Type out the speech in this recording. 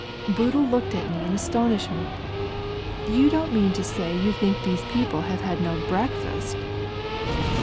Boodle looked at me in aBtonishment. "You don't mean to say you think these people have had no breakfast?"